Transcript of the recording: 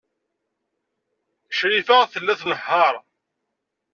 Crifa tella tnehheṛ.